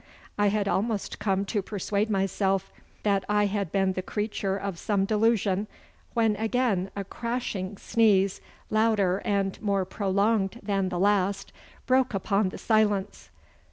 I had almost come to persuade myself that I had been the creature of some delusion, when again a crashing sneeze, louder and more prolonged than the last, broke upon the silence.